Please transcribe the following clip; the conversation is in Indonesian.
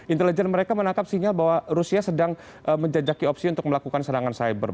intelijen mereka menangkap sinyal bahwa rusia sedang menjajaki opsi untuk melakukan serangan cyber